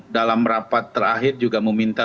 dalam rapat terakhir juga meminta